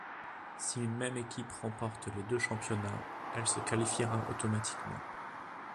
Si une même équipe remporte les deux championnats, elle se qualifiera automatiquement.